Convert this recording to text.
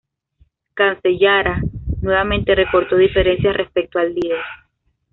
Cancellara, nuevamente, recortó diferencias respecto al líder.